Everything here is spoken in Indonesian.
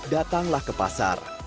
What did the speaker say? datanglah ke pasar